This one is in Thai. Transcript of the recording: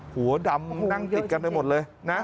หัวดำนั่งติดกันไปหมดเลยนะ